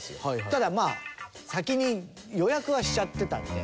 ただまあ先に予約はしちゃってたんで。